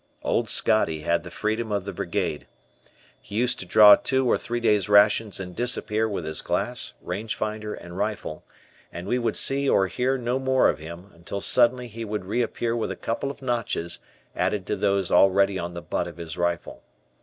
Old Scotty had the freedom of the Brigade. He used to draw two or three days' rations and disappear with his glass, range finder, and rifle, and we would see or hear no more of him, until suddenly he would reappear with a couple of notches added to those already on the butt of his rifle.